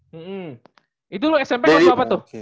hmm itu lu smp waktu apa tuh